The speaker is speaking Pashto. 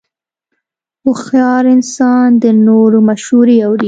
هوښیار انسان د نورو مشورې اوري.